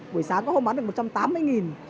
buổi sáng có hôm bán được một trăm tám mươi nghìn